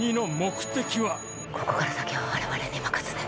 ここから先は我々に任せて。